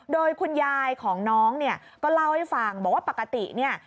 โดยคุณยายของน้องเนี่ยก็เล่าให้ฟังบอกว่าปกติเนี่ย